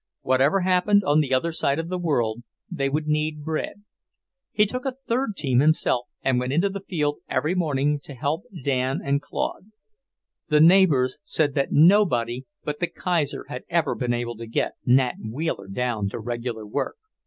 Whatever happened on the other side of the world, they would need bread. He took a third team himself and went into the field every morning to help Dan and Claude. The neighbours said that nobody but the Kaiser had ever been able to get Nat Wheeler down to regular work.